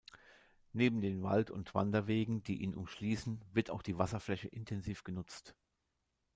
Neben den Wald- und Wanderwegen, die ihn umschließen, wird auch die Wasserfläche intensiv genutzt.